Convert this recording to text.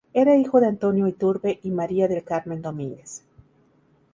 Era hijo de Antonio Iturbe y María del Carmen Domínguez.